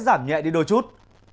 giảm nhẹ đi đôi chút